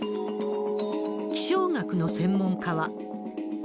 気象学の専門家は。